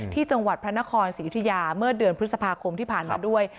ที่จังหวัดพระนครศรียุธิยาเมื่อเดือนพฤษภาคมที่ผ่านมาด้วย